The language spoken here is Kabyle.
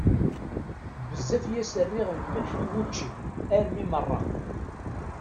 Bezzaf i as-rniɣ lemleḥ i wučči armi meṛṛeɣ!